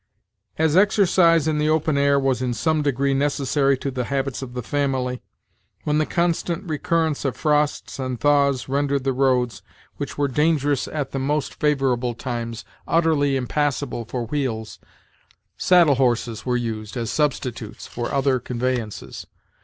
As exercise in the open air was in some degree necessary to the habits of the family, when the constant recurrence of frosts and thaws rendered the roads, which were dangerous at the most favorable times, utterly impassable for wheels, saddle horses were used as substitutes for other conveyances.